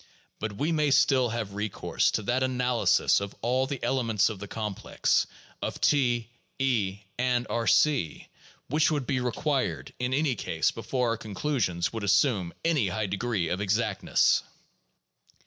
But we may still have re course to that analysis of all the elements of the complex, of T, E, and B°, which would be required in any case before our conclusions could assume any high degree of exactness.